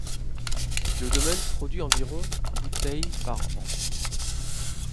Le domaine produit environ bouteilles par an.